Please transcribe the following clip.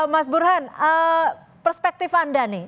mas burhan perspektif anda nih